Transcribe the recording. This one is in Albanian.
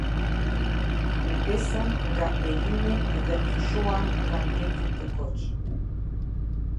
U isën nga Elimi dhe fushuan pranë Detit të Kuq.